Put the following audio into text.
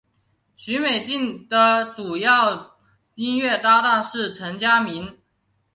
许美静的主要音乐搭档是陈佳明。